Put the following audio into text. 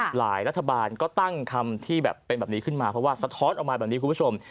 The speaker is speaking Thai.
หลายรัฐบาลก็ตั้งคำที่แบบเป็นแบบนี้ขึ้นมาเพราะว่าสะท้อนออกมาแบบนี้คุณผู้ชม